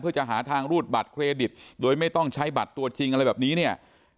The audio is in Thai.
เพื่อจะหาทางรูดบัตรเครดิตโดยไม่ต้องใช้บัตรตัวจริงอะไรแบบนี้เนี่ย